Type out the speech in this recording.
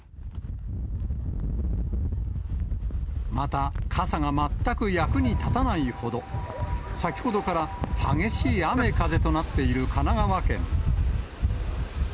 また、傘が全く役に立たないほど、先ほどから激しい雨風となっている神奈川県。